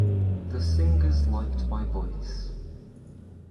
The singers liked my voice.